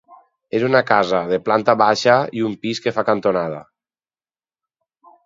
És una casa de planta baixa i un pis que fa cantonada.